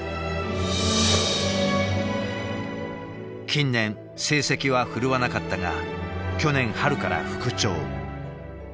近年成績は振るわなかったが去年春から復調。